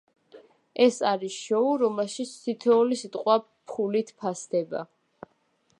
ეს არის შოუ, რომელშიც თითოეული სიტყვა ფულით ფასდება.